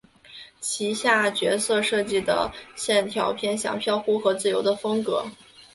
旗下角色设计的线条偏向飘忽和自由的风格。